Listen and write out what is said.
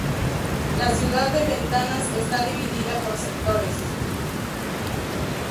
La ciudad de Ventanas está dividida por sectores.